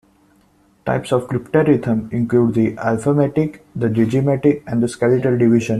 Types of cryptarithm include the alphametic, the digimetic, and the skeletal division.